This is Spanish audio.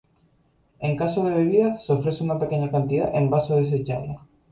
En caso de bebidas, se ofrece una pequeña cantidad en vaso desechable.